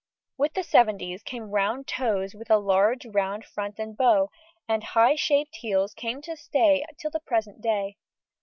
With the seventies came round toes with a low round front and bow, and high shaped heels came to stay till the present day.